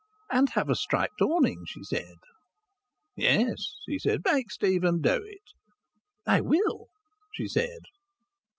"And have a striped awning," she said. "Yes," he said. "Make Stephen do it." "I will," she said.